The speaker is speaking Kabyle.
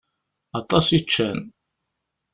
Aṭas i ččan.